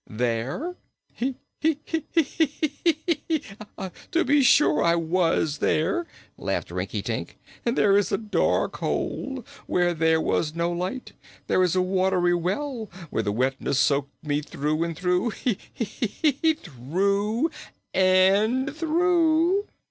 "There? Heh heh heek keek eek! To be sure I was there," laughed Rinkitink. "There in a dark hole, where there was no light; there in a watery well, where the wetness soaked me through and through keek eek eek eek! through and through!"